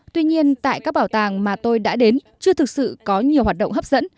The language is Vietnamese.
tuy nhiên tại các bảo tàng mà tôi đã đến chưa thực sự có nhiều hoạt động hấp dẫn